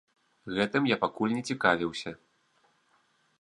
Гэтым я пакуль не цікавіўся.